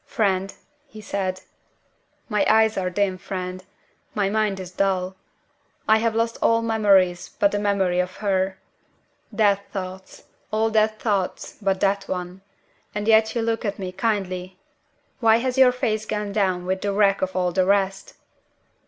"Friend?" he said. "My eyes are dim, friend my mind is dull. I have lost all memories but the memory of her. Dead thoughts all dead thoughts but that one! And yet you look at me kindly! Why has your face gone down with the wreck of all the rest?"